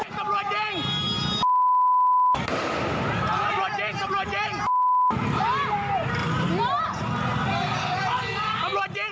เฮ้ยมันยิงมันยิง